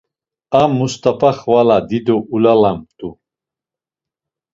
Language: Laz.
A Must̆afa xvala dido ulalamt̆u.